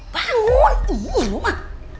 bangun iiih rumah